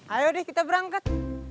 ayo deh kita berangkat